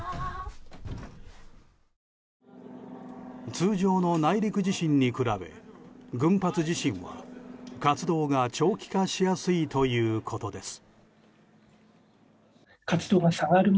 通常の内陸地震に加え群発地震は活動が長期化しやすいということです。